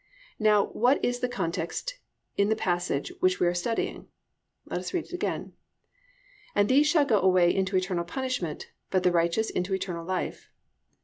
Now what is the context in the passage which we are studying? Let us read it again, +"And these shall go away into eternal punishment: but the righteous into eternal life."